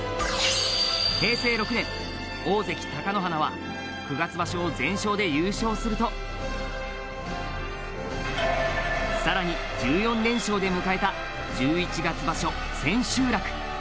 平成６年大関・貴乃花は９月場所を全勝で優勝するとさらに１４連勝で迎えた１１月場所、千秋楽。